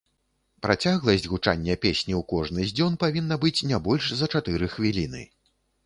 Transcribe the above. Працягласць гучання песні ў кожны з дзён павінна быць не больш за чатыры хвіліны.